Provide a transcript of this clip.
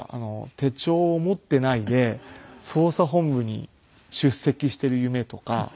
手帳を持っていないで捜査本部に出席している夢とか。